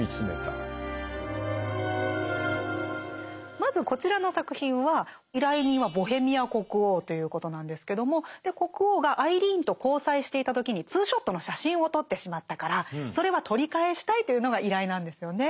まずこちらの作品は依頼人はボヘミア国王ということなんですけども国王がアイリーンと交際していた時にツーショットの写真を撮ってしまったからそれは取り返したいというのが依頼なんですよね。